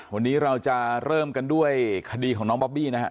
วันนี้เราจะเริ่มกันด้วยคดีของน้องบอบบี้นะฮะ